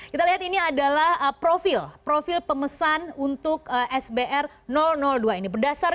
kita lihat ini adalah profil profil pemesan untuk sbr dua ini